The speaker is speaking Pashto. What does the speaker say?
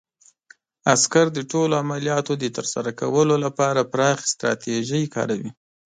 عسکر د ټولو عملیاتو د ترسره کولو لپاره پراخې ستراتیژۍ کاروي.